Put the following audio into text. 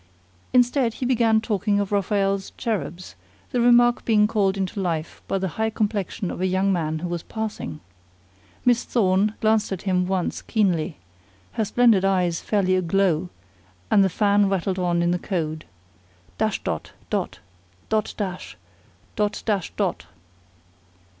Instead he began talking of Raphael's cherubs, the remark being called into life by the high complexion of a young man who was passing. Miss Thorne glanced at him once keenly, her splendid eyes fairly aglow, and the fan rattled on in the code. "Dash dot! Dot! Dot dash! Dot dash dot!"